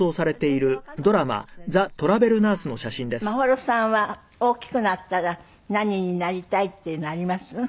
眞秀さんは大きくなったら何になりたいっていうのあります？